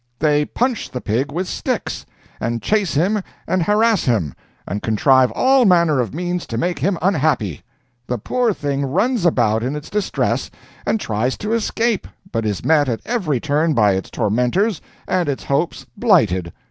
They punch the pig with sticks, and chase him and harass him, and contrive all manner of means to make him unhappy. The poor thing runs about in its distress, and tries to escape, but is met at every turn by its tormentors and its hopes blighted.